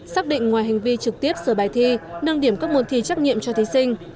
xác định ngoài hành vi trực tiếp sửa bài thi nâng điểm các môn thi trắc nghiệm cho thí sinh